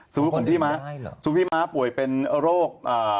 สมมุติคุณพี่ม้าสมมุติพี่ม้าป่วยเป็นโรคอ่า